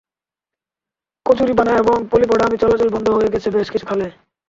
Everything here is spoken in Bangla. কচুরিপানা এবং পলি পড়ে পানি চলাচল বন্ধ হয়ে গেছে বেশ কিছু খালে।